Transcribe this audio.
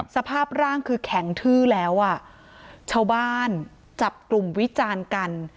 สภาพร่างคือแข็งทื้อแล้วอ่ะชาวบ้านจับกลุ่มวิจารณ์กัน